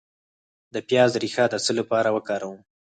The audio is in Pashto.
د پیاز ریښه د څه لپاره وکاروم؟